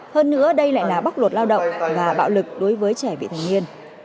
hơn nữa đây lại là bóc lột lao động và bạo lực đối với trẻ vị thành niên